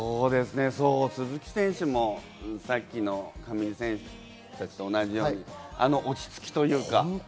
鈴木選手も上地選手たちと同じように落ち着きというか。